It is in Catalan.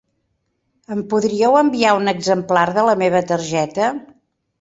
Em podríeu enviar un exemplar de la meva targeta?